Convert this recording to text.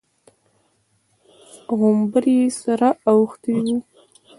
غومبري يې سره اوښتي وو.